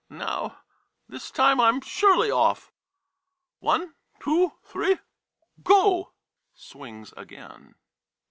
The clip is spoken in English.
Now — this time I'm surely off. One — two — three — go! [Swings again."